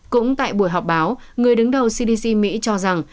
cũng tại buổi họp báo người đứng đầu cdc mỹ cho rằng